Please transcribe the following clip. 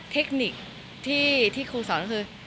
เทคนิคที่ครูสอนก็คือ